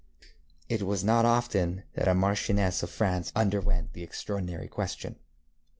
It was not often that a marchioness of France underwent the extraordinary question.